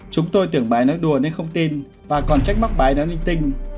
chúng tôi tưởng bà ấy nói đùa nên không tin và còn trách mắc bà ấy nói ninh tinh